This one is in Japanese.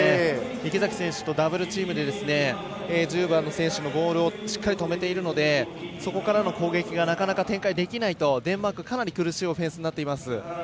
池崎選手とダブルチームで１０番の選手のボールをしっかり、止めているのでそこからの攻撃がなかなか展開できないとデンマーク、かなり苦しいオフェンスになっています。